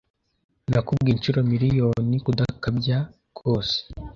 Nakubwiye inshuro miriyoni kudakabya rwose